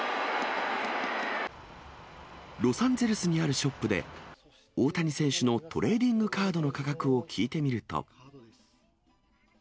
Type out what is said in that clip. ロサンゼルスにあるショップで、大谷選手のトレーディングカードの価格を聞いてみると。